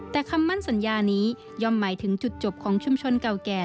แต่คำมั่นสัญญานี้ย่อมหมายถึงจุดจบของชุมชนเก่าแก่